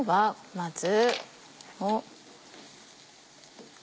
まずこれを。